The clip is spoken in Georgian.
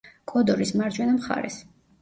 კოდორის მარჯვენა მხარეს.